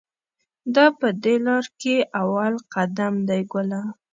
دا په دې لار کې اول قدم دی ګله.